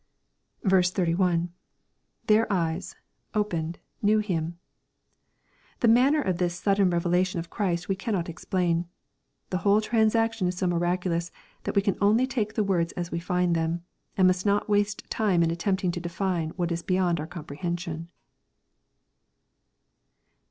3L — [Their eyes,..opened„.knew him.] The manner of this sudden revelation of Christ we cannot explain. The whole transaction is so miraculous that we can only take the words as we find them, and must not waste time in attempting to define what is beyond our comprehension.